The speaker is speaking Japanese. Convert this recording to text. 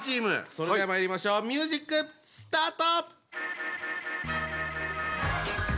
それではまいりましょうミュージックスタート！